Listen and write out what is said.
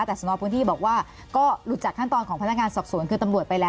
แต่สนพื้นที่บอกว่าก็หลุดจากขั้นตอนของพนักงานสอบสวนคือตำรวจไปแล้ว